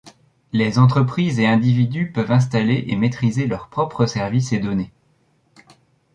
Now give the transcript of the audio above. Les entreprises et individus peuvent installer et maîtriser leurs propres services et données.